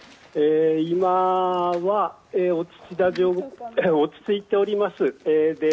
今は、落ち着いております。